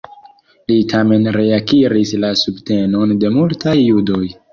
Li tamen reakiris la subtenon de multaj judoj.